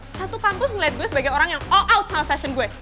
satu kampus melihat gue sebagai orang yang all out sama fashion gue